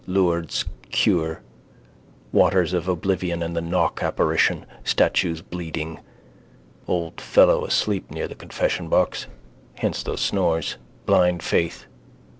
Lourdes cure, waters of oblivion, and the Knock apparition, statues bleeding. Old fellow asleep near that confessionbox. Hence those snores. Blind faith.